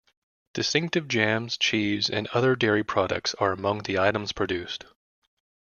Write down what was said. Distinctive jams, cheese and other dairy products are among the items produced.